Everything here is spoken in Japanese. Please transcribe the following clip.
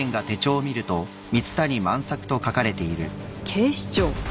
警視庁？